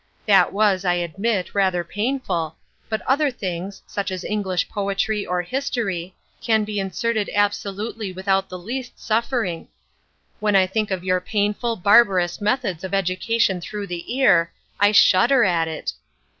That was, I admit, rather painful, but other things, such as English poetry or history, can be inserted absolutely without the least suffering. When I think of your painful, barbarous methods of education through the ear, I shudder at it.